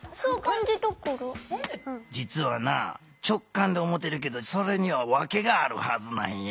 じつはな直感って思ってるけどそれにはわけがあるはずなんや。